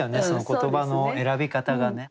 言葉の選び方がね。